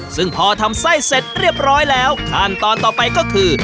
ซึ่งพอทำไส้เสร็จเรียบร้อยแล้วขั้นตอนต่อไปก็คือ